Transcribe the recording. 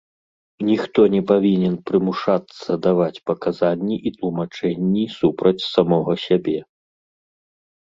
Ніхто не павінен прымушацца даваць паказанні і тлумачэнні супраць самога сябе.